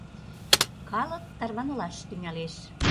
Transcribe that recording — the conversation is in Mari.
Калык тарванылаш тӱҥалеш.